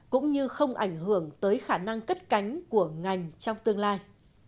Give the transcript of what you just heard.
cũng như không ảnh hưởng tới khả năng cất cánh của ngành trong tương lai